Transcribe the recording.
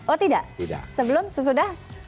oh tidak sebelum sesudah